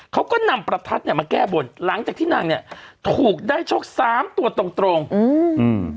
เขาก็นำประทัดเนี้ยมาแก้บนหลังจากที่นางเนี้ยถูกได้โชคสามตัวตรงตรงอืมอืม